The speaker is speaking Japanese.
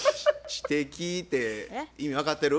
知的て意味分かってる？